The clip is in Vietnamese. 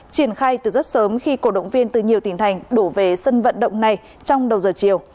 triển khai từ rất sớm khi cổ động viên từ nhiều tỉnh thành đổ về sân vận động này trong đầu giờ chiều